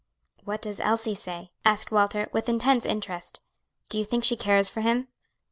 "What does Elsie say?" asked Walter, with intense interest; "do you think she cares for him?"